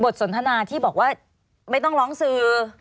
สนทนาที่บอกว่าไม่ต้องร้องสื่อ